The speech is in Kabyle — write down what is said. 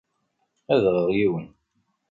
Ad aɣeɣ yiwen.